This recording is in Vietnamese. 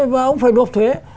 và ông phải đột thuế